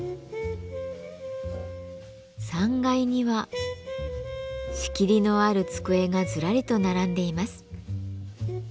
３階には仕切りのある机がずらりと並んでいます。